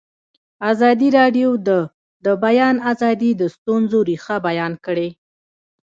ازادي راډیو د د بیان آزادي د ستونزو رېښه بیان کړې.